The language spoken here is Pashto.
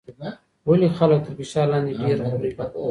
ولې خلک تر فشار لاندې ډېر خوري؟